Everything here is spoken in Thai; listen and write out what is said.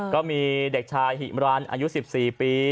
ก็มีเด็กชายหิมรันอายุ๑๔ปี